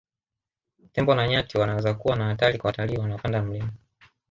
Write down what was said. Tembo na nyati wanaweza kuwa na hatari kwa watalii wanaopanda mlima